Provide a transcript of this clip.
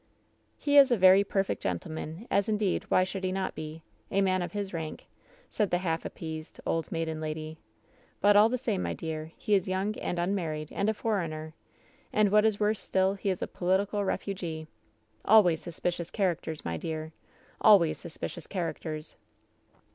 " ^He is a very perfect gentleman, as indeed why should he not be ? A man of his rank V said the half appeased old maiden lady. ^But all the same, my dear, he is young and unmarried, and a foreigner f And, what is worse still, he is a political refugee Always suspi cious characters, my dear I Always suspicious charac ters